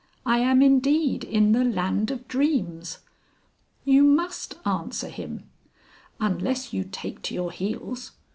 I am indeed in the Land of Dreams!" You must answer him. Unless you take to your heels.